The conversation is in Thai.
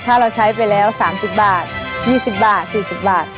ถ้าเราใช้ไปแล้ว๓๐บาท๒๐บาท๔๐บาท